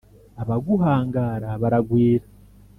abaguhangara baragwira